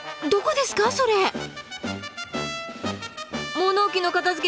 物置の片づけ